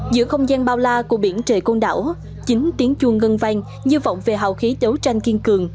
giữa không gian bao la của biển trời côn đảo chính tiếng chuông ngân vang như vọng về hào khí đấu tranh kiên cường